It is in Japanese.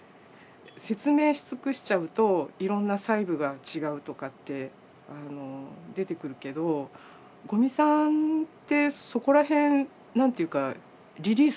説明し尽くしちゃうといろんな細部が違うとかって出てくるけど五味さんってそこらへん何て言うかリリースしますよね。